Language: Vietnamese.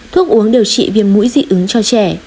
thuốc uống điều trị viêm mũi dị ứng cho trẻ